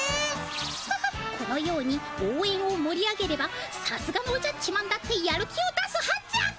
ハハッこのようにおうえんをもり上げればさすがのおじゃっちマンだってやる気を出すはず。